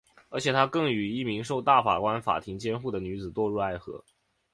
而且他更与一名受大法官法庭监护的女子堕入爱河。